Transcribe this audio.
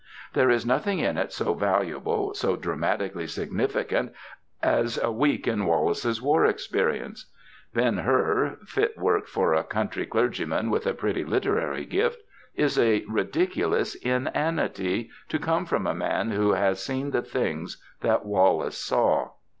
There is nothing in it so valuable, so dramatically significant as a week in Wallace's war experiences. "Ben Hur," fit work for a country clergyman with a pretty literary gift, is a ridiculous inanity to come from a man who has seen the things that Wallace saw!